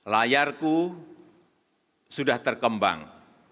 layarku sudah terkembang